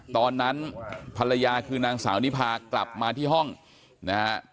ตอนนั้นภรรยาคือนางสาวนิพากลับมาที่ห้องนะฮะ